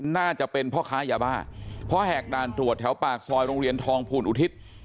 น่าจะเป็นพ่อค้ายาบ้าเพราะแหกด่านตรวจแถวปากซอยโรงเรียนทองภูลอุทิศ